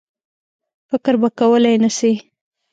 فکر به کولای نه سي.